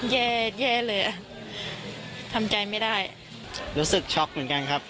แย่แย่เลยอ่ะทำใจไม่ได้รู้สึกช็อกเหมือนกันครับ